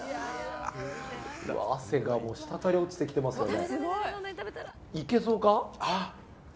汗がしたたり落ちてきてますよ。